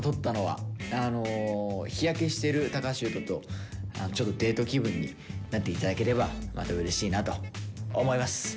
日焼けしてる橋優斗とデート気分になって頂ければまたうれしいなと思います。